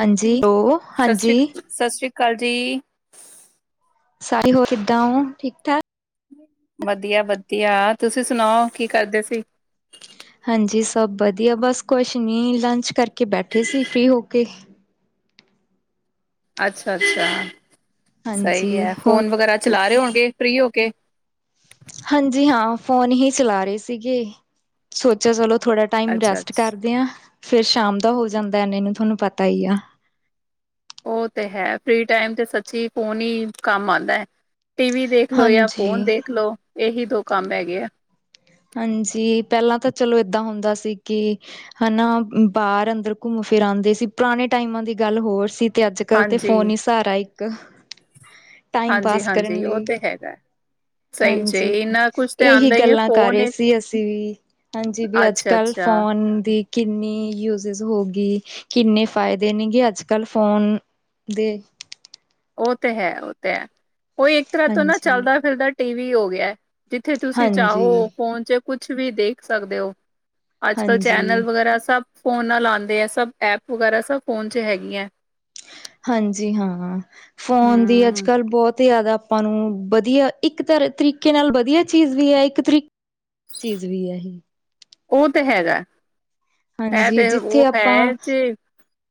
ਹਾਂਜੀ, ਹੋ ਸਸਿ ਰੀ ਕਾਲ ਜੀ। ਸਾਰੇ ਹੋਰ ਕਿਦਾ ਓ ਠੀਕ- ਠਾਕ। ਵਧੀਆ, ਵਧੀਆ। ਤੁਸੀਂ ਸੁਣਾਓ, ਕੀ ਕਰਦੇ ਸੀ। ਹਾਂਜੀ, ਸਭ ਵਧੀਆ, ਬੱਸ ਕੁਛ ਨੀ ਲੰਚ ਕਰਕੇ ਬੇਠੇ ਸੀ ਫ੍ਰੀ ਹੋ ਕੇ। ਅੱਛਾ, ਅੱਛਾ ਹਾਂਜੀ ਸਹੀ ਐ, ਹੋਰ ਫੋਨ ਵਗੈਰਾ ਚਲਾ ਰਹੇ ਹੋਣਗੇ ਫਰੀ ਹੋ ਕੇ। ਹਾਂਜੀ, ਹਾਂ ਫੋਨ ਹੀ ਚਲਾ ਰਹੇ ਸੀਗੇ, ਸੋਚਿਆ ਚਲੋ ਥੋੜਾ ਟਾਈਮ ਅੱਛਾ ਰੈਸਟ ਅੱਛਾ ਕਰਦੇ ਆ, ਫੇਰ ਸ਼ਾਮ ਦਾ ਹੋ ਜਾਂਦਾ ਇਹਨੇ ਨੂੰ ਤੁਹਾਨੂੰ ਪਤਾ ਈ ਆ। ਉਹ ਤੇ ਹੈ, ਫਰੀ ਟਾਈਮ ਤੇ ਸੱਚੀ ਫੋਨ ਈ ਕੰਮ ਆਂਦਾ ਐ। ਟੀਵੀ ਦੇਖ ਲੋ, ਯਾ ਹਾਂਜੀ ਫੋਨ ਦੇਖ ਲੋ ਇਹੀ ਦੋ ਕੰਮ ਹੈਗੇ ਆ। ਹਾਂਜੀ, ਪਹਿਲਾਂ ਤਾਂ ਚਲੋ ਏਦਾਂ ਹੁੰਦਾ ਸੀ ਕਿ। ਹਾਨਾ, ਬਾਹਰ -ਅੰਦਰ ਘੁੰਮ- ਫਿਰ ਆਂਦੇ ਸੀ, ਪੁਰਾਣੇ ਟਾਈਮਾਂ ਦੀ ਗੱਲ ਹੋਰ ਸੀ। ਤੇ ਅੱਜ- ਕੱਲ੍ਹ ਤਾਂ ਹਾਂਜੀ ਫੋਨ ਈ ਸਹਾਰਾ ਇੱਕ। ਟਾਈਮ- ਹਾਂਜੀ ਪਾਸ ਕਰਨ ਹਾਂਜੀ ਉਹ ਲਈ, ਤੇ ਹੈਗਾ ਸਹੀ ਜੇ ਹਾਂਜੀ, ਇੰਨਾ ਕੁਛ ਤੇ ਇਹੀ ਆਉਂਦਾ ਹੀ ਹੈ ਗੱਲਾਂ। ਕਰ ਰਹੇ ਫੋਨ ਸੀ ਅਸੀਂ ਵੀ, ਹਾਂਜੀ ਕਿ ਅੱਜ- ਅੱਛਾ ਕੱਲ੍ਹ ਅੱਛਾ ਫੋਨ ਦੀ। ਕਿੰਨੀ ਯੂਜਜ ਹੋਗੇ, ਕਿੰਨੇ ਫਾਇਦੇ ਨੇ ਕੇ ਅੱਜ- ਕੱਲ੍ਹ ਫੋਨ। ਦੇ। ਉਹ ਤੇ ਹੈ, ਉਹ ਤੇ ਹੈ, ਉਹ ਇੱਕ ਤਰ੍ਹਾਂ ਤੋਂ ਨਾ ਹਾਂਜੀ। ਚਲਦਾ- ਫਿਰਦਾ ਟੀ ਵੀ ਹੋ ਗਿਆ। ਜਿੱਥੇ ਤੁਸੀਂ ਹਾਂਜੀ, ਚਾਹੋ, ਫੋਨ ਚ ਕੁਛ ਵੀ ਦੇਖ ਸਕਦੇ ਹੋ। ਅੱਜ- ਕਲ ਚੈਨਲ ਹਾਂਜੀ, ਵਗੈਰਾ ਸਭ ਫੋਨ ਨਾਲ ਆਂਦੇ ਐ, ਸਭ ਐਪ ਵਗੈਰਾ ਸਭ ਫੋਨ ਚ ਹੈਗੀਐ। ਹਾਂਜੀ ਹਾਂ, ਫੋਨ ਦੀ ਅੱਜ- ਹਮ ਕੱਲ੍ਹ ਬਹੁਤ। ਤੇ ਜ਼ਿਆਦਾ ਆਪਾਂ ਨੂੰ ਵਧੀਆ, ਇੱਕ ਤਰੀਕੇ ਨਾਲ ਵਧੀਆ ਚੀਜ਼ ਵੀ ਐ, ਇੱਕ ਤਰੀ ਚੀਜ਼ ਵੀ ਐ। ਉਹ ਤੇ ਹੇਗੈ। ਇਹ ਹਾਂਜੀ ਤੇ ਉਹ ਜਿੱਥੇ ਆਪਾਂ ਹੇ ਜ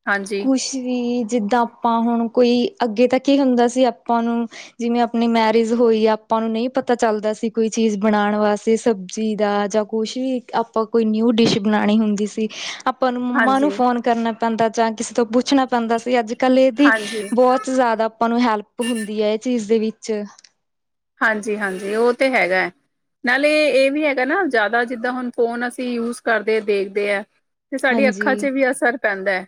ਹਾਜੀ। ਕੁਛ ਵੀ ਜਿੱਦਾਂ ਆਪਾਂ ਹੁਣ ਕੋਈ ਅੱਗੇ ਤੱਕ ਈ ਹੁੰਦਾ ਸੀ। ਆਪਾਂ ਨੂੰ ਜਿਵੇਂ ਆਪਣੀ ਮੈਰਿਜ ਹੋਈ, ਆਪਾਂ ਨੂੰ ਨਹੀਂ ਪਤਾ ਚੱਲਦਾ ਸੀ ਕੋਈ ਚੀਜ਼ ਬਣਾਣ ਵਾਸਤੇ ਸਬਜ਼ੀ ਦਾ ਜਾਂ। ਕੁਛ ਵੀ ਆਪਾਂ ਕੋਈ ਨਿਊ- ਡਿਸ਼ ਬਣਾਣੀ ਹੁੰਦੀ ਸੀ, ਆਪ ਪਰ ਮੰਮਾ ਨੂੰ ਹਾਂਜੀ ਫੋਨ ਕਰਨਾ ਪੈਂਦਾ, ਜਾਂ ਕਿਸੇ ਤੋਂ ਪੁੱਛਣਾ ਪੈਂਦਾ ਸੀ, ਅੱਜ ਕੱਲ ਦੀ ਹਾਂਜੀ ਬਹੁਤ ਜ਼ਿਆਦਾ ਆਪਾਂ ਨੂੰ ਹੈਲਪ ਹੁੰਦੀ ਐ ਇਹ ਚੀਜ਼ ਦੇ ਵਿੱਚ। ਹਾਂਜੀ, ਹਾਂਜੀ ਉਹ ਤੇ ਹੈਗੈ। ਨਾਲੇ ਇਹ ਵੀ ਹੈਗਾ ਨਾ ਜ਼ਿਆਦਾ ਜਿੱਦਾਂ ਹੁਣ ਫੋਨ ਅਸੀਂ ਯੂਸ ਕਰਦੇ ਦੇਖਦੇ ਐ। ਤੇ ਸਾਡੀ ਹਾਂਜੀ ਅੱਖਾਂ ਚ ਵੀ ਅਸਰ ਪੈਂਦਾ।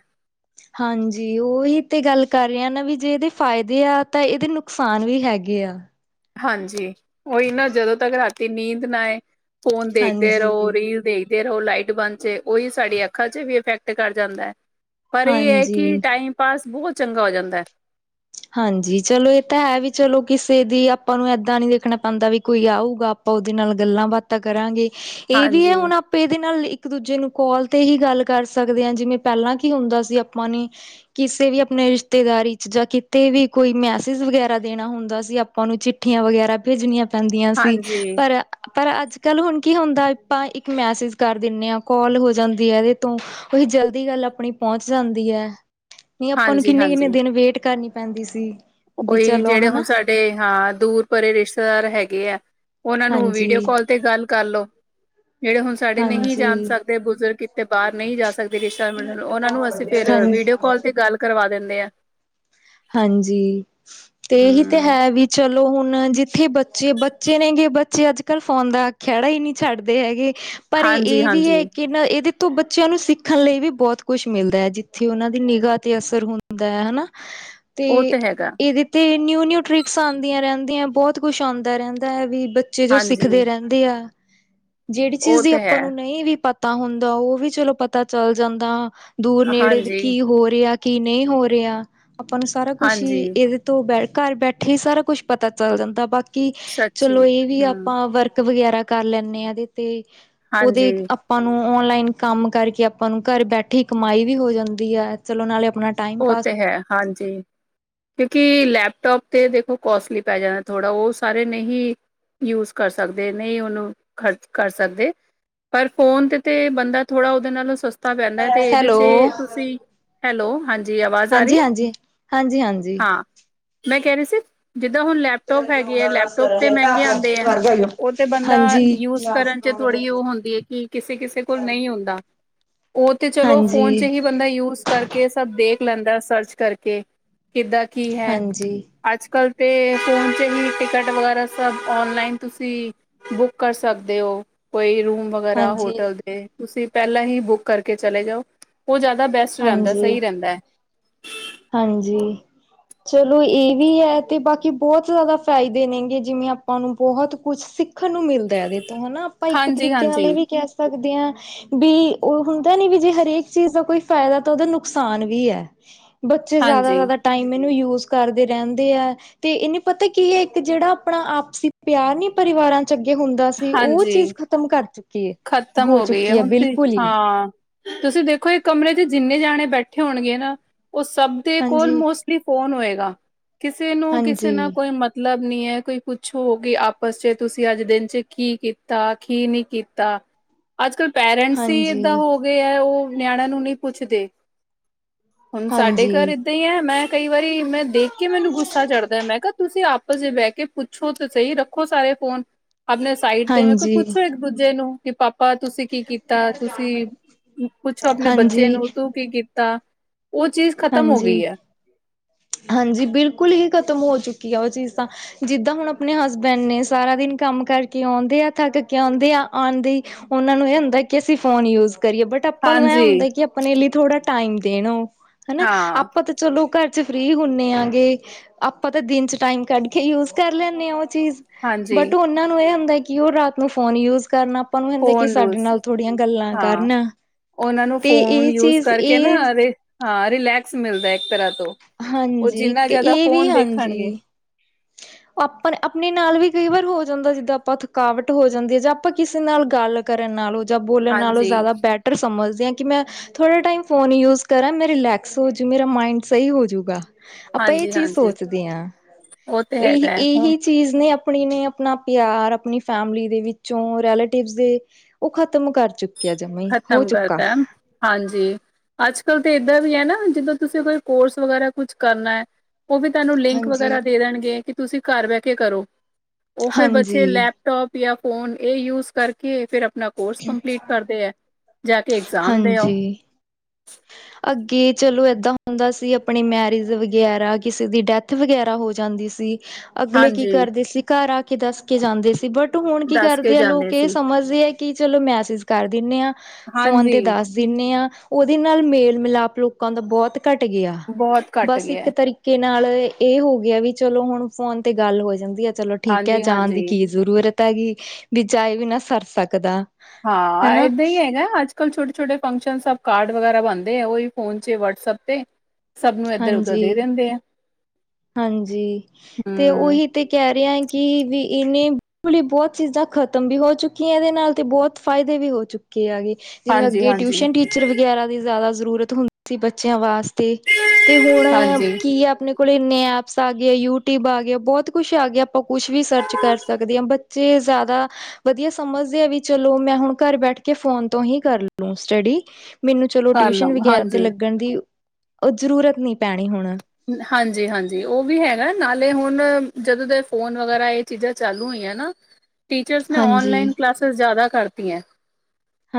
ਹਾਂਜੀ, ਉਹੀ ਤੇ ਗੱਲ ਕਰ ਰਹੇ ਨਾ ਵੀ ਜੇ ਇਹਦੇ ਫਾਇਦੇ ਆ ਤਾਂ ਇਹਦੇ ਨੁਕਸਾਨ ਵੀ ਹੈਗੇ ਆ। ਹਾਂਜੀ, ਉਹੀ ਨਾ ਜਦੋਂ ਤੱਕ ਰਾਤੀ ਨੀਂਦ ਨਾ ਆਏ ਫੋਨ ਦੇਖਦੇ ਰਹੋ, ਹਾਂਜੀ ਰੀਲ ਦੇਖ। ਫ਼ੇਰ ਉਹ ਲਾਈਟ ਬੰਦ ਚ ਉਹੀ ਸਾਡੀ ਅੱਖਾਂ ਚ ਵੀ ਇਫੈਕਟ ਕਰ ਜਾਂਦਾ ਐ। ਪਰ ਇਹ ਐ ਹਾਂਜੀ ਕਿ ਟਾਈਮ ਪਾਸ ਬਹੁਤ ਚੰਗਾ ਹੋ ਜਾਂਦਾ ਐ। ਹਾਂਜੀ, ਚਲੋ ਇਹ ਤਾਂ ਹੈ ਵੀ ਚਲੋ ਕਿਸੇ ਦੀ ਆਪਾਂ ਨੂੰ ਏਦਾਂ ਨੀ ਦੇਖਣਾ ਪੈਂਦਾ ਵੀ ਕੋਈ ਆਊਗਾ। ਉਹਦੇ ਨਾਲ ਗੱਲਾਂ- ਬਾਤਾਂ ਕਰਾਂਗੇ, ਇਹ ਵੀ ਐ ਹਾਂਜੀ ਹੁਣ ਆਪਾਂ ਤੇ ਇਹਦੇ ਨਾਲ ਇੱਕ- ਦੂਜੇ ਨੂੰ ਕਾਲ ਤੇ ਹੀ ਗੱਲ ਕਰ ਸਕਦੇ ਆ, ਜਿਵੇਂ ਪਹਿਲਾਂ ਕੀ ਹੁੰਦਾ ਸੀ ਆਪਾਂ ਨੇ ਕਿਸੇ ਵੀ ਆਪਣੇ ਰਿਸ਼ਤੇਦਾਰੀ ਚ ਜਾਂ ਤੇ ਵੀ ਕੋਈ ਮੈਸੇਜ ਵਗੈਰਾ ਦੇਣਾ ਹੁੰਦਾ ਸੀ। ਆਪਾਂ ਨੂੰ ਚਿੱਠੀਆਂ ਵਗੈਰਾ ਭੇਜਣੀਆਂ ਪੈਂਦੀਆਂ ਸੀ। ਹਾਂਜੀ ਪਰ ਪਰ ਅੱਜ ਕੱਲ ਹੁਣ ਕੀ ਹੁੰਦਾ ਆਪਾਂ ਇੱਕ ਮੈਸੇਜ ਕਰ ਦਿੰਦੇ ਆ, ਕਾਲ ਹੋ ਜਾਂਦੀ ਹੈ ਇਹਦੇ ਤੋਂ। ਉਹੀ ਜਲਦੀ ਗੱਲ ਆਪਣੀ ਪਹੁੰਚ ਜਾਂਦੀ ਹੈ। ਨਹੀਂ ਆਪਾਂ ਨੂੰ ਹਾਂਜੀ ਕਿੰਨੇ ਕਿੰਨੇ ਹਾਂਜੀ ਦਿਨ ਵੇਟ ਕਰਨੀ ਪੈਂਦੀ ਸੀ, ਵੀ ਚਲੋ ਹਨਾ। ਤੇ ਹਾਂ ਦੂਰ ਪਰੇ ਰਿਸ਼ਤੇਦਾਰ ਹੈਗੇ ਐ, ਉਹਨਾਂ ਨੂੰ ਵੀਡੀਓ ਹਾਂਜੀ। ਕਾਲ। ਤੇ ਗੱਲ ਕਰਲੋ, ਜਿਹੜੇ ਹੁਣ। ਸਾਡੇ ਨਹੀਂ ਹਾਂਜੀ, ਜਾ ਸਕਦੇ ਬਜੂਰਗ ਕਿਥੇ ਬਾਹਰ ਨਹੀਂ ਜਾ ਸਕਦੇ ਰਿਸ਼ਤੇਦਾਰ ਨੂੰ ਮਿਲਣ, ਉਹਨਾਂ ਨੂੰ ਅਸੀਂ ਫਿਰ ਹਾਂਜੀ, ਵੀਡੀਓ ਕਾਲ ਤੇ ਗਲ। ਕਰਵਾ ਦਿੰਦੇ ਆਂ। ਹਾਂਜੀ ਤੇ ਏਹੀ ਤੇ ਹਮ ਹੈ, ਵੀ ਚਲੋ। ਹੁਣ ਜਿੱਥੇ ਬੱਚੇ, ਬੱਚੇ ਨੇਗੇ ਬੱਚੇ ਅੱਜ ਕੱਲ ਫੋਨ ਦਾ ਖਹਿੜਾ ਹੀ ਨਹੀਂ ਛੱਡਦੇ ਹੈਗੇ। ਪਰ ਹਾਂਜੀ ਏਹ ਵੀ ਹੈ। ਹਾਂਜੀ ਇਹਦੇ ਤੋਂ ਬੱਚਿਆਂ ਨੂੰ ਸਿੱਖਣ ਲਈ ਵੀ ਬਹੁਤ ਕੁਛ ਮਿਲਦਾ ਹੈ, ਜਿੱਥੇ ਉਹਨਾਂ ਦੀ ਨਿਗਾਹ 'ਤੇ ਅਸਰ ਹੁੰਦਾ ਹੈ ਨਾ। [inaudible] ਤੇ ਏਦੇ। ਤੇ ਨਿਊ ਨਿਊ ਟ੍ਰਿਕਸ ਆਉਂਦੀਆਂ ਰਹਿੰਦੀਆਂ ਬਹੁਤ ਕੁਛ ਆਉਂਦਾ ਰਹਿੰਦਾ ਹੈ, ਵੀ ਬੱਚੇ ਜੋ ਹਾਂਜੀ ਸਿੱਖਦੇ ਰਹਿੰਦੇ। ਦੇ ਐ, ਜਿਹੜੀ ਉਹ ਚੀਜ਼ ਦੀ ਤੇ ਆਪਾਂ ਹੈ ਨੂੰ ਨਹੀਂ ਵੀ ਪਤਾ। ਪਤਾ ਹੁੰਦਾ, ਉਹ ਵੀ ਚਲੋ ਪਤਾ ਚੱਲ ਜਾਂਦਾ ਦੂਰ ਨੇੜੇ ਵੀ ਹਾਂਜੀ ਕੀ ਹੋ ਰਿਹਾ। ਕੀ ਨਹੀਂ ਹੋ ਰਿਹਾ, ਆਪਾਂ ਨੂੰ ਸਾਰਾ ਕੁਛ ਹਾਂਜੀ ਹੀ ਏਦੇ ਤੋਂ ਬੈਠ, ਘਰ ਬੈਠੇ ਹੀ ਸਾਰਾ ਕੁੱਛ ਪਤਾ ਚੱਲ ਜਾਂਦਾ, ਬਾਕੀ ਕੀ ਸੱਚੀ ਚਲੋ ਇਹ ਵੀ ਹਮ ਆਪਾਂ ਵਰਕ ਵਗੈਰਾ ਕਰ ਲੈਂਨੇ ਆ, ਏ ਦੇ ਤੇ ਹਾਂਜੀ ਉਹਦੇ ਆਪਾਂ ਨੂੰ ਔਨਲਾਈਨ ਕੰਮ ਕਰਕੇ ਆਪਾਂ ਨੂੰ ਘਰ ਬੈਠੇ ਈ ਕਮਾਈ ਵੀ ਹੋ ਜਾਂਦੀ ਹੈ, ਚਲੋ ਨਾਲੇ ਆਪਣਾ ਟਾਈਮ ਉਹ ਪਾਸ ਤੇ ਹੈ ਹਾਂਜੀ ਕਿਉਂਕਿ ਲੈਪਟੋਪ ਤੇ ਦੇਖੋ ਕੋਸਟਲੀ ਪੈ ਜਾਂਦਾ ਥੋੜ੍ਹਾ, ਉਹ ਸਾਰੇ ਨਹੀਂ ਯੂਜ ਕਰ ਸਕਦੇ, ਨਹੀਂ ਉਹਨੂੰ ਖਰਚ ਕਰ ਸਕਦੇ ਪਰ ਫੋਨ ਤੇ ਤੇ ਬੰਦਾ ਥੋੜਾ ਉਹਦੇ ਨਾਲ ਸਸ ਤਾ ਪੈਂਦਾ, ਤੇ ਇਹਦੇ ਹੈਲੋ ਚ ਤੁਸੀਂ, ਹੈਲੋ ਹਾਂਜੀ ਦੀ ਆਵਾਜ਼ ਆ ਰਹੀ ਹਾਂਜੀ ਹੈ, ਹਾਂਜੀ ਹਾਂਜੀ ਹਾਂਜੀ ਹਾਂ ਮੈਂ ਕਹਿ ਰਹੀ ਸੀ ਜਿੱਦਾਂ ਹੁਣ ਲੈਪ ਲੈਪਟੋਪ ਹੈਗੇ ਐ, ਲੈਪਟੋਪ ਤੇ ਮਹਿੰਗੇ ਆਉਂਦੇ ਹੈ ਉਹ ਤੇ ਬੰਦਾ ਹਾਂਜੀ ਯੂਜ ਕਰਨ ਤੇ ਥੋੜ੍ਹੀ ਉਹ ਹੁੰਦੀ ਹੈ ਕਿ ਕਿਸੇ ਕਿਸੇ ਕੋਲ ਨਹੀਂ ਹੁੰਦਾ ਉਹ ਤੇ ਚਲੋ ਫੋਨ ਚ ਹਾਂਜੀ ਹੀ ਬੰਦਾ ਯੂਜ ਕਰਕੇ ਸਭ ਦੇਖ ਲੈਂਦਾ, ਸਰਚ ਕਰਕੇ ਕਿੱਦਾਂ ਕੀ ਹੈ ਹਾਂਜੀ ਅੱਜ ਕੱਲ ਤੇ ਫੋਨ ਤੇ ਹੀ ਟਿਕਟ ਵਗੈਰਾ ਸਭ ਔਨਲਾਈਨ ਤੁਸੀਂ ਬੁੱਕ ਕਰ ਸਕਦੇ ਹੋ, ਕੋਈ ਰੂਮ ਵਗੈਰਾ ਹਾਂਜੀ ਹੋਟਲ ਦੇ ਤੁਸੀਂ ਪਹਿਲਾਂ ਹੀ ਬੁੱਕ ਕਰਕੇ ਚਲੇ ਜਾਓ ਉਹ ਜ਼ਿਆਦਾ ਬੈਸਟ ਰਹਿੰਦਾ, ਹਾਂਜੀ ਸਹੀ ਰਹਿੰਦਾ ਹੈ ਹਾਂਜੀ ਚਲੋ ਇਹ ਵੀ ਹੈ, ਤੇ ਬਾਕੀ ਬਹੁਤ ਜ਼ਿਆਦਾ ਫਾਇਦੇ ਨੇਗੇ ਜਿਵੇਂ ਆਪਾਂ ਨੂੰ ਬਹੁਤ ਕੁਛਿੱ ਸੀ ਸੀਖਣ ਨੂੰ ਮਿਲਦਾ ਇਹਦੇ ਤੋਂ, ਹੈਨਾ ਆਪਾਂ ਇੱਕ ਹਾਂਜੀ ਤਰੀਕੇ ਨਾਲ ਹਾਂਜੀ ਇਹ ਵੀ ਕਹਿ ਸਕਦੇ ਹਾਂ ਵੀ ਉਹ ਹੁੰਦਾ ਨੀ ਵੀ ਜੇ ਹਰੇਕ ਚੀਜ਼ ਦਾ ਕੋਈ ਫਾਇਦਾ, ਤਾਂ ਉਹਦਾ ਨੁਕਸਾਨ ਵੀ ਹੈ ਬੱਚੇ ਜ਼ਿਆਦਾ ਹਾਂਜੀ ਜ਼ਿਆਦਾ ਟਾਈਮ ਇਹਨੂੰ ਯੂਜ ਕਰਦੇ ਰਹਿੰਦੇ ਹੈ ਤੇ ਏਹ ਨੀ ਪਤਾ ਕੀ ਹੈ, ਇੱਕ ਜਿਹੜਾ ਆਪਣਾ ਆਪਸੀ ਪਿਆਰ ਨੀ ਪਰਿਵਾਰਾਂ ਚ ਅੱਗੇ ਹੁੰਦਾ ਸੀ, ਉਹ ਚੀਜ਼ ਖ਼ਤਮ ਕਰ ਚੁੱਕੀ ਹੈ ਖਤਮ ਹੋ ਗਈ ਹੈ, ਚੁੱਕੀ ਹੁਣ ਤੇ ਬਿਲਕੁਲ ਹੀ ਹਾਂ ਤੁਸੀਂ ਦੇਖੋ ਇਕ ਕਮਰੇ ਤੇ ਜਿੰਨੇ ਜਾਣੇ ਬੈਠੇ ਹੋਣਗੇ ਨਾ ਉਹ ਸਭ ਦੇ ਕੋਲ ਹਾਂਜੀ ਮੋਸਟ ਫੋਨ ਹੋਏਗਾ ਕਿਸੇ ਨੂੰ ਕਿਸੇ ਹਾਂਜੀ ਨਾਲ ਕੋਈ ਮਤ ਮਤਲਬ ਨੀ ਹੈ, ਕੋਈ ਪੁੱਛੋ ਕਿ ਆਪਸ ਚ ਤੁਸੀਂ ਅੱਜ ਦਿਨ ਚ ਕੀ ਕੀਤਾ ਕੀ ਨਹੀਂ ਕੀਤਾ ਕੀਤਾ। ਅੱਜ ਕੱਲ੍ਹ ਪੇਰੈਂਟਸ ਹੀ ਏਦਾਂ ਹਾਂਜੀ ਹੋ ਗਏ ਹੈ, ਉਹ ਨਿਆਣਿਆਂ ਨੂੰ ਨਹੀਂ ਪੁੱਛਦੇ। ਹੁਣ ਸਾਡੇ ਘਰ ਹਾਂਜੀ ਇਦਾ ਹੈ। ਮੈਂ ਕਈ ਵਾਰੀ ਮੈਂ ਦੇਖ ਕੇ ਮੈਨੂੰ ਗੁੱਸਾ ਚੜ੍ਹਦਾ, ਮੈਂ ਕਿਹਾ ਤੁਸੀਂ ਆਪਸ 'ਚ ਬਹਿ ਕੇ ਪੁੱਛੋ ਤੇ ਸਹੀ, ਰੱਖੋ ਸਾਰੇ ਫੋਨ ਆਪਣੇ ਸਾਈਡ ਤੇ, ਮੈਂ ਕੋਲ ਹਾਂਜੀ, ਪੁੱਛੋ ਇੱਕ ਦੂਜੇ ਨੂੰ ਕਿ ਪਾਪਾ ਪਾਪਾ ਤੁਸੀਂ ਕੀ ਕੀਤਾ, ਤੁਸੀਂ ਪੁੱਛੋ ਆਪਣੇ ਬੱਚੇ ਹਾਂਜੀ, ਨੂੰ, ਤੂੰ ਕੀ ਕੀ ਤਾ, ਉਹ ਚੀਜ਼ ਖ਼ਤਮ ਹੋ ਹਾਂਜੀ, ਗਈ ਹੈ ਹਾਂਜੀ ਬਿਲਕੁਲ ਹੀ ਖਤਮ ਹੋ ਚੁੱਕੀ ਆ ਉਹ ਚੀਜ਼ ਤਾਂ ਜਿੱਦਾਂ ਹੁਣ ਆਪਣੇ ਹਸਬੈਂਡ ਨੇ, ਸਾਰਾ ਦਿਨ ਕੰਮ ਕਰਕੇ ਆਉਂਦੇ ਆ, ਥੱਕ ਕੇ ਆਉਂਦੇ ਆ ਆਉਣਦੇ ਉਹਨਾਂ ਨੂੰ ਇਹ ਹੁੰਦਾ, ਕਿ ਅਸੀਂ ਫੋਨ ਯੂਜ ਕਰੀਏ, ਬਟ ਆਪਾਂ ਨੂੰ ਇਹ ਹਾਂਜੀ ਹੁੰਦਾ, ਕਿ ਆਪਣੇ ਲਈ ਥੋੜਾ ਟਾਈਮ ਦੇਣ ਉਹ ਹਨਾ। ਹਾਂ ਆਪਾਂ ਤਾਂ ਚਲੋ ਘਰ 'ਚ, ਫ੍ਰਰੀ ਹੁੰਦੇ ਆਂ ਗੇ। ਆਪਾਂ ਤਾਂ ਦਿਨ 'ਚ ਟਾਈਮ ਕੱਢ ਕੇ, ਯੂਜ ਕਰ ਲੈਂਦੇ ਹਾਂ ਉਹ ਚੀਜ਼। ਹਾਂਜੀ ਬਟ ਉਹਨਾਂ ਨੂੰ ਇਹ ਹੁੰਦਾ, ਕਿ ਉਹ ਰਾਤ ਨੂੰ ਫੋਨ ਯੂਜ ਕਰਨਾ ਆਪਾਂ ਨੂੰ ਹੁੰਦਾ, ਕਿ ਫੋਨ ਸਾਡੇ ਰੂਸ ਨਾਲ ਥੋੜੀਆਂ ਗੱਲਾਂ ਹਾਂ ਕਰਨ। ਉਹਨਾਂ ਨੂੰ ਤੇ ਫੋਨ ਇਹ ਯੂਜ ਚੀਜ਼ ਕਰਕੇ ਨਾ, ਇਹ ਹਾਂ ਰਿਲੈਕਸ ਮਿਲਦਾ ਇੱਕ ਤਰ੍ਹਾਂ ਤੋਂ ਉਹ ਹਾਂਜੀ ਜਿੰਨਾ ਜਿਆਦਾ, ਇਹ ਫੋਨ ਦੇਖਣਗੇ। ਆਪਾਂ-ਆਪਣੇ ਨਾਲ ਵੀ ਕਈ ਵਾਰ ਹੋ ਜਾਂਦਾ, ਜਿੱਦਾਂ ਆਪਾਂ ਥਕਾਵਟ ਹੋ ਜਾਂਦੀ ਹੈ, ਜਾਂ ਆਪਾਂ ਕਿਸੇ ਨਾਲ ਗੱਲ ਕਰਨ ਨਾਲ ਜਾਂ ਬੋਲਣ ਨਾਲੋਂ ਹਾਂਜੀ ਜ਼ਿਆਦਾ, ਬੈਟਰ ਸਮਝਦੀ ਹਾਂ ਕਿ ਮੈਂ ਥੋੜ੍ਹਾ ਟਾਈਮ ਫੋਨ ਯੂਜ ਕਰਾਂ ਮੈਂ ਰਿਲੈਕਸ ਹੋ ਜੂ, ਮੇਰਾ ਮਾਇਂਡ ਸਹੀ ਹੋਜੂਗਾ। ਆਪਾਂ ਇਹ ਹਾਂਜੀ ਚੀਜ਼ ਹਾਂਜੀ ਸੋਚਦੇ ਹਾਂ। ਉਹ ਤੇ ਇਹ ਹੈਗਾ ਹੈ ਹੁਣ ਇਹੀ ਚੀਜ਼ ਨੇ ਆਪਣੀ ਨੇ ਆਪਣਾ ਪਿਆਰ, ਆਪਣੀ ਫੈਮਿਲੀ ਦੇ ਵਿੱਚੋਂ, ਰੈਲੇਟਿਵ ਦੇ, ਉਹ ਖ਼ਤਮ ਕਰ ਚੁੱਕੇ ਕਿਆ [unintelligible] ਹੋ ਖ਼ਤਮ ਚੁੱਕਾ। ਕਰਤਾ ਹਾਂਜੀ, ਅੱਜ ਕੱਲ੍ਹ ਤਾਂ ਇਏਦਾਂ ਵੀ ਹੈ ਨਾ, ਜਿੱਦੋਂ ਤੁਸੀਂ ਕੋਈ ਕੋਰਸ ਵਗੈਰਾ ਕੁਛ ਕਰਨਾ ਉਹ ਵੀ ਤੁਹਾਨੂੰ ਲਿੰਕ ਹਾਂਜੀ ਵਗੈਰਾ ਦੇ ਦੇਣਗੇ, ਕਿ ਤੁਸੀਂ ਘਰ ਬਹਿ ਕੇ ਕਰੋ। ਉਹ ਫੇਿਰ ਬੱਚੇ ਹਾਂਜੀ ਲੈਪਟੋਪ ਜਾਂ ਫੋਨ ਇਹ ਯੂਜ ਕਰਕੇ, ਫੇਿਰ ਆਪਣਾ ਕੋਰਸ ਕੰਪਲੀਟ ਕਰਦੇ ਆ। ਜਾ ਕੇ ਇਗਜ਼ਾਮ ਦੇਆਓ। ਹਾਂਜੀ ਅੱਗੇ ਚਲੋ ਏਦਾਂ ਹੁੰਦਾ ਸੀ ਆਪਣੀ ਮੈਰਿਜ ਵਗੈਰਾ, ਕਿਸੇ ਦੀ ਡੈਥ ਵਗੈਰਾ ਹੋ ਜਾਂਦੀ ਸੀ ਸੀ ਅਗਲੇ ਕੀ ਹਾਂਜੀ ਕਰਦੇ ਸੀ, ਘਰ ਆ ਕੇ ਦੱਸ ਕੇ ਜਾਂਦੇ ਸੀ। ਬਟ ਹੁਣ ਕੀ ਦੱਸ ਕੇ ਕਰਦੇ ਆ ਲੋਕ, ਜਾਂਦੇ ਇਹ ਸੀ ਸਮਝਦੇ ਆ ਕਿ ਕੀ ਚਲੋ ਮੈਸੇਜ ਕਰ ਦਿੰਦੇ ਆ, ਫੋਨ ਤੇ ਹਾਂਜੀ ਦੱਸ ਦਿੰਦੇ ਆ। ਉਹ ਦੇ ਨਾਲ ਮੇਲ ਮਿਲਾਪ, ਲੋਕਾਂ ਦਾ ਬਹੁਤ ਘੱਟ ਗਿਆ। ਬਹੁਤ ਘੱਟ ਬਸ ਗਿਆ ਇੱਕ ਹੈ। ਤਰੀਕੇ ਕੇ ਨਾਲ ਇਹ ਹੋ ਗਿਆ, ਵੀ ਚਲੋ ਹੁਣ ਫੋਨ ਤੇ ਗੱਲ ਹੋ ਜਾਂਦੀ ਹੈ, ਚਲੋ ਠੀਕ ਹੈ ਹਾਂਜੀ ਜਾਣ ਦੀ ਹਾਂਜੀ ਕੀ ਜ਼ਰੂਰਤ ਹੈਗੀ, ਵੀਂ ਜਾਏ ਬਿਨਾ ਸਰ ਸਕਦਾ। ਹਾਂ, ਹਨਾ ਇਏਦਾਂ ਹੀ ਹੈਗਾ ਅੱਜ ਕੱਲ ਛੋਟੇ, ਛੋਟੇ ਫੰਕਸ਼ਨ ਸਭ ਕਾਰਡ ਵਗੈਰਾ ਬਣਦੇ ਆ, ਫੋਨ 'ਚ ਵਟਸਐਪ ਤੇ। ਸਭ ਨੂੰ ਇੱਧਰ ਉਧਰ ਦੇ ਹਾਂਜੀ, ਦਿੰਦੇ ਆ ਹਾਂਜੀ ਤੇ ਹਮ ਉਹੀ ਤੇ ਕਹਿ ਰਿਹਾ ਕਿ ਵੀ ਇਨੇ, ਬਿਲਕੁਲ ਹੀ ਬਹੁਤ ਚੀਜ਼ਾਂ ਖਤਮ ਵੀ ਹੋ ਚੁੱਕੀਆਂ ਇਹਦੇ ਨਾਲ ਤੇ ਬਹੁਤ ਫਾਇਦੇ ਵੀ ਹੋ ਚੁੱਕੇ ਹੈਗੇ। ਜਿਵੇਂ ਅੱਗੇ ਹਾਂਜੀ-ਹਾਂਜੀ, ਟਿਊਸ਼ਨ ਟੀਚ ਟੀਚਰ ਵਗੈਰਾ ਦੀ, ਜ਼ਿਆਦਾ ਜ਼ਰੂਰਤ ਹੁੰਦੀ ਸੀ ਬੱਚਿਆਂ ਵਾਸਤੇ ਤੇ ਹੁਣ ਹਾਂਜੀ ਹਾਂਜੀ ਕੀ ਆ ਆਪਣੇ ਕੋਲ ਇੰਨੇ ਐਪਸ ਆ ਗਏ, ਯੂਟਿਊਬ ਆ ਗਏ, ਬਹੁਤ ਕੁਛ ਆ ਗਿਆ, ਆਪਾਂ ਕੁਛ ਵੀ ਸਰਚ ਕਰ ਸਕਦੇ ਹਾਂ। ਬ ਜੇ ਜ਼ਿਆਦਾ ਵਧੀਆ ਸਮਝਦੇ ਆ, ਵੀ ਚਲੋ ਮੈਂ ਹੁਣ ਘਰ ਬੈਠ ਕੇ ਫੋਨ ਤੋਂ ਹੀ ਕਰ ਲ ਸਟਡੀ। ਮੈਨੂੰ ਚਲੋ ਕਰ ਟਿਊਸ਼ਨ ਲਵਾਂ ਵਗੈਰਾ ਤੇ ਹਾਂਜੀ। ਲੱਗਣ ਦੀ, ਉਹ ਜ਼ਰੂਰਤ ਨਹੀਂ ਪੈਣੀ ਹੁਣ। ਹਾਂਜੀ ਹਾਂਜੀ ਉਹ ਵੀ ਹੈਗਾ, ਨਾਲੇ ਹੁਣ ਜਦੋਂ ਦੇ ਫੋਨ ਵਗੈਰਾ, ਇਹ ਚੀਜ਼ਾਂ ਚਾਲੂ ਹੋਈਆਂ ਨਾ ਟੀਚਰਸ ਨੇ, ਹਾਂਜੀ ਔਨਲਾਈਨ ਕਲਾਸਿਸ ਜ਼ਿਆਦਾ ਕਰਤੀਆ।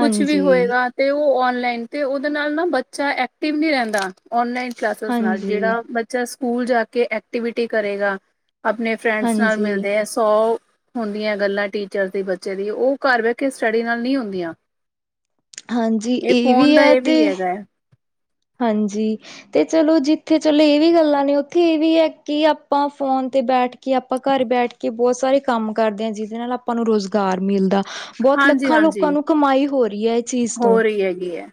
ਕੁਛ ਵੀ ਹੋਏਗਾ ਤੇ ਉਹ ਔਨਲਾਈਨ, ਤੇ ਉਹਦੇ ਨਾਲ ਨਾ ਬੱਚਾ ਐਕਟਿਵ ਨਹੀਂ ਰਹਿੰਦਾ, ਔਨਲਾਈਨ ਕਲਾਸਿਸ ਨਾਲ। ਹਾਂਜੀ, ਜਿਹੜਾ ਬੱਚਾ ਸਕੂਲ ਜਾਕੇ ਐਕਟੀਵਿਟੀ ਕਰੇਗਾ, ਅਪਣੇ ਫਰੈਂਡਸ ਨਾਲ ਹਾਂਜੀ, ਮਿਲਦੇ ਆ ਸੌ ਹੁੰਦੀਆਂ ਗੱਲਾਂ ਟੀਚਰ ਦੀ ਬੱਚੇ ਦੀ, ਉਹ ਘਰ ਬਹਿਕੇ ਸਟੱਡੀ ਨਾਲ ਨਹੀਂ ਹੁੰਦੀਆਂ। ਹਾਂਜੀ ਇਹ ਫੋਨ ਦਾ, ਹੈ ਇਹ ਤੇ ਵੀ ਹੈਗਾ। ਹਾਂਜੀ। ਤੇ ਚਲੋ ਜਿੱਥੇ ਚਲੋ ਇਹ ਵੀ ਗੱਲਾਂ ਨੇ, ਉੱਥੇ ਇਹ ਵੀ ਐ ਕਿ ਆਪਾਂ ਫੋਨ ਤੇ ਬੈਠਕੇ ਕਿ ਆਪਾਂ ਘਰ ਬੈਠਕੇ ਬਹੁਤ ਸਾਰੇ ਕੰਮ ਕਰਦੇ ਆ, ਜਿਹਦੇ ਨਾਲ ਆਪਾਂ ਨੂੰ ਰੁਜ਼ਗਾਰ ਮਿਲਦਾ। ਬਹੁਤ ਲੱਖਾਂ ਲੋਕਾਂ ਹਾਂਜੀ-ਹਾਂਜੀ ਨੂੰ ਕਮਾਈ ਹੋ ਰਹੀ ਏ, ਇਹ ਚੀਜ਼ ਤੋਂ। ਹੋ ਰਹੀ ਹੈਗੀ ਹੈ।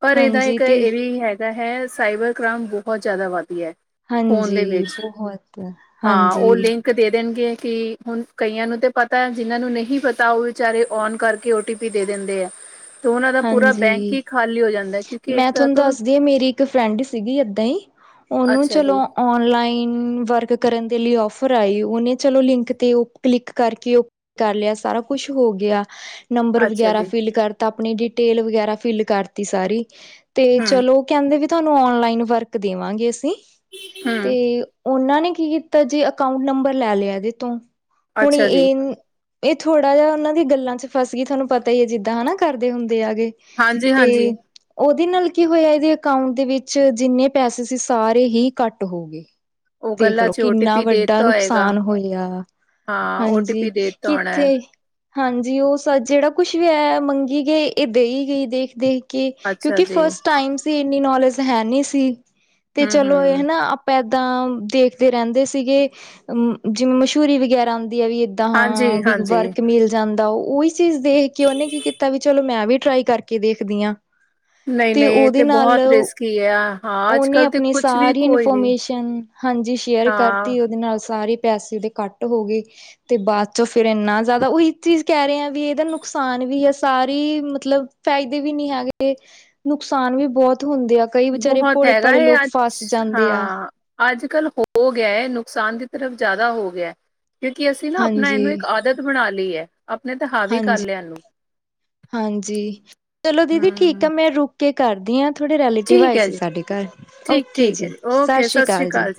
ਪਰ ਇਹਦਾ ਹਾਂਜੀ ਇੱਕ ਤੇ ਇਹ ਵੀ ਹੈਗਾ ਹੈ, ਸਾਈਬਰ ਕ੍ਰਾਮ ਬਹੁਤ ਜ਼ਿਆਦਾ ਵੱਧ ਗਿਆ। ਫੋਨ ਹਾਂਜੀ, ਦੇ ਵਿੱਚ ਬਹੁਤ, ਹਾਂ ਉਹ ਹਾਂਜੀ। ਲਿੰਕ ਦੇ ਦੇਣਗੇ ਕਿ, ਹੁਣ ਕਈਆਂ ਨੂੰ ਤੇ ਪਤਾ ਜਿਹਨਾਂ ਨੂੰ ਨਹੀਂ ਪਤਾ ਉਹ ਚਾਰੇ ਔਨ ਕਰਕੇ ਓਟੀਪੀ ਦੇ ਦਿੰਦੇ ਆ। ਤੇ ਉਹਨਾਂ ਦਾ ਪੂਰਾ ਬੈਂਕ ਹਾਂਜੀ ਈ ਖਾਲੀ ਹੋ ਜਾਂਦਾ ਏ, ਕਿਉਂਕਿ ਇੱਕ ਤਰਹਾ ਤੋਂ ਤੇ ਮੇਰੀ ਇੱਕ ਫਰੈਂਡ ਸੀਗੀ ਏਦਾਂ ਈ, ਉਹਨੂੰ ਅੱਛਾ ਚਲੋ ਜੀ ਔਨਲਾਈਨ ਵਰਕ ਕਰਨ ਦੇ ਲਈ ਔਫਰ ਆਈ, ਉਹਨੇ ਚਲੋ ਲਿੰਕ ਤੇ ਉਹ ਕਲਿੱਕ ਕਰਕੇ ਕਰ ਲਿਆ ਸਾਰਾ ਕੁਛ ਹੋਗਿਆ ਨੰਬਰ ਅੱਛਾ ਵਗੈਰਾ ਜੀ ਫਿਲ ਕਰਤਾ, ਆਪਣੀ ਡਿਟੇਲ ਵਗੈਰਾ ਫਿਲ ਕਰਤੀ ਸਾਰੀ, ਤੇ ਹਮ ਚਲੋ ਕਹਿੰਦੇ ਵੀ ਤੁਹਾਨੂੰ ਔਨਲਾਈਨ ਵਰਕ ਦੇਵਾਂਗੇ ਅਸੀਂ, ਹਮ ਤੇ ਉਹਨਾਂ ਨੇ ਕੀ ਕੀਤਾ ਜੀ ਅਕਾੰਊਂਟ ਨੰਬਰ ਲੈ ਲਿਆ ਇਹਦੇ ਤੋਂ, ਹੁਣ ਅੱਛਾ ਜੀ ਇਹ ਇਹ ਥੋੜ੍ਹਾ ਜਿਹਾ ਉਹਨਾਂ ਦੀ ਗੱਲਾਂ'ਚ ਫਸ ਗਈ, ਤੁਹਾਨੂੰ ਪਤਾ ਈ ਆ ਜਿੱਦਾਂ ਹਨਾ ਕਰਦੇ ਹੁੰਦੇ ਆਕੇ ਹਾਂਜੀ ਤੇ ਹਾਂਜੀ ਉਹਦੇ ਨਾਲ ਕੀ ਹੋਇਆ, ਇਹਦੇ ਅਕਾੰਊਂਟ ਦੇ ਵਿੱਚ ਜਿੰਨੇ ਪੈਸੇ ਸੀ ਸਾਰੇ ਹੀ ਘੱਟ ਹੋ ਉਹ ਗੱਲਾਂ ਦੇਖਲੋ, ਚ ਓ ਟੀ ਕਿੰਨਾ ਪੀ ਦੇ ਵੱਡਾ ਦਿੱਤਾ ਹੋਏਗਾ ਨੁਕਸਾਨ ਹੋਇਆ। ਹਾਂ ਓ ਟੀ ਹਾਂਜੀ, ਪੀ ਦੇ ਦਿੱਤਾ ਹੋਣਾ ਹੈ, ਕਿੱਥੇ ਹਾਂਜੀ, ਉਹ ਸ ਜਿਹੜਾ ਕੁਛ ਵੀ ਐ ਮੰਗੀ ਗਈ, ਇਹ ਦੇਈ ਗਈ ਦੇਖਦੇ ਕਿ, ਅੱਛਾ ਕਿਉਂਕਿ ਜੀ ਫਸਟ ਟਾਈਮ ਸੀ ਇੰਨੀ ਨੌਲੇਜ ਹੈ ਨੀ ਸੀ, ਤੇ ਹਮ ਚਲੋ ਇਹ ਹਮ ਨਾ ਐਦਾਂ, ਦੇਖਦੇ ਰਹਿੰਦੇ ਸੀਗੇ, ਅਮ ਜਿਵੇਂ ਮਸ਼ਹੂਰੀ ਵਗੈਰਾ ਆਂਦੀ ਆ ਵੀ ਤਾਂ ਹਾਂਜੀ ਹਾਂ, ਬੀ ਹਾਂਜੀ ਵਰਕ ਮਿਲ ਜਾਂਦਾ, ਹੋਉ ਉਹੀ ਚੀਜ਼ ਦੇਖਕੇ ਉਹਨੇ ਕੀ ਕੀਤਾ, ਵਈ ਚਲੋ ਮੈਂ ਵੀ ਟ੍ਰਾਈ ਕਰਕੇ ਦੇਖਦੀ ਆਂ। ਤੇ ਉਹਦੇ ਨਾਲ, ਉਹਨੇ ਅਪਣੀ ਸਾਰੀ ਇਨਫੋਰਮੇਸ਼ਨ ਹਾਂਜੀ, ਸ਼ੇਅਰ ਕਰਤੀ ਉਹਦੇ ਨਾਲ ਸਾਰੇ ਪੈਸੇ ਦ ਕਟ ਹੋਗੇ, ਤੇ ਬਾਅਦ'ਚੋਂ ਫੇਰ ਇੰਨਾ ਜ਼ਿਆਦਾ ਓਹੀ ਚੀਜ਼ ਕਹਿ ਰੈਆਂ, ਵੀ ਇਹਦਾ ਨੁਕਸਾਨ ਵੀ ਐ ਸਾਰੀ, ਮਤਲਬ ਫਾਇਦੇ ਵੀ ਨੀ ਹੈਗੇ, ਨੁਕਸਾਨ ਵੀ ਬਹੁਤ ਹੁੰਦੇ ਆ। ਕਈ ਵਿਚਾਰੇ ਹੈਗਾ ਭੋਲੇ-ਭਾਲੇ ਏ ਲੋਕ ਅੱਜ ਫਸ ਜਾਂਦੇ ਆ। ਹਾਂ, ਅੱਜ-ਕੱਲ ਹੋਗਿਆ ਏ, ਨੁਕਸਾਨ ਦੀ ਤਰਫ ਜ਼ਿਆਦਾ ਹੋ ਗਿਆ। ਕਿਉਂਕੀ ਅਸੀਂ ਨਾ ਆਪਣਾ ਹਾਂਜੀ ਇਹਨੂੰ ਇੱਕ ਆਦਤ ਬਣਾਲੀ ਐ, ਅਪਣੇ ਤੇ ਹੱ ਹਾਂਜੀ, ਹਾਂਜੀ, ਚਲੋ ਦੀਦੀ ਠੀਕ ਆ ਹੂੰ, ਮੈਂ ਰੁਕ ਕੇ ਕਰਦੀ ਆਂ। ਥੋੜ੍ਹੇ ਰੈਲਿਟਿਵ ਠੀਕ ਆਏ ਐ ਸੀ ਜੀ, ਸਾਡੇ ਘਰ, ਓਕੇ ਠੀਕ-ਠੀਕ ਐ ਜੀ, ਓਕੇ ਸਾਸ੍ਰੀ ਸਤਿ ਸ੍ਰੀ ਅਕਾਲ ਜੀ।